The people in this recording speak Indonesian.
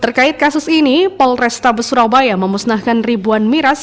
terkait kasus ini polresta besurabaya memusnahkan ribuan miras